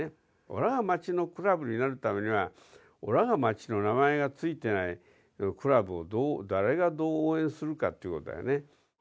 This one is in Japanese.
おらが街のクラブになるためにはおらが街の名前がついてないクラブを誰がどう応援するかっていうことだよね